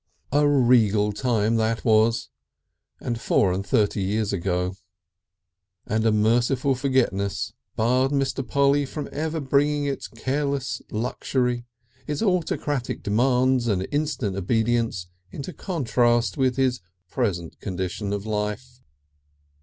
A regal time that was, and four and thirty years ago; and a merciful forgetfulness barred Mr. Polly from ever bringing its careless luxury, its autocratic demands and instant obedience, into contrast with his present condition of life.